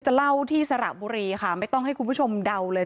เล่าที่สระบุรีค่ะไม่ต้องให้คุณผู้ชมเดาเลย